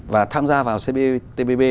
và tham gia vào cptpp